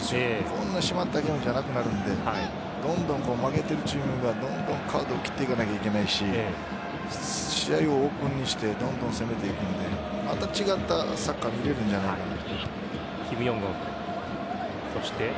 こんな締まったゲームじゃなくなるので負けているチームがどんどんカードを切っていかなければいけないし試合をオープンにしてどんどん攻めていくのでまた違ったサッカー見れるんじゃないかなと。